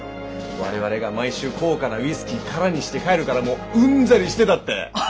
我々が毎週高価なウイスキー空にして帰るからもううんざりしてたって。